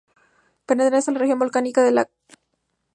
Pertenece a la Región volcánica de La Garrocha, en la zona de Ampurdán.